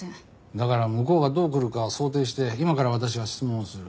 だから向こうがどう来るかを想定して今から私が質問をする。